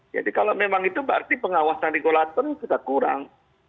jadi kalau memang itu berarti pengawasan regulatornya sudah kurang